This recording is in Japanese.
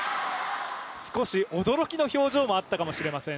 少し驚きの表情もあったかもしれません。